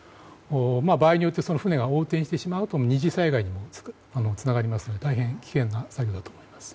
場合によっては船が横転してしまうような２次災害につながりますので大変、危険な作業だと思います。